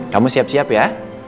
kamu siap siap ya